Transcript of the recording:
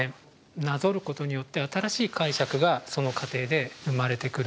なぞることによって新しい解釈がその過程で生まれてくることになると思います。